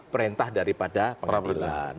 perintah daripada pengadilan